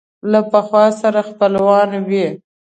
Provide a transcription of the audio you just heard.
له پخوا سره خپلوان وي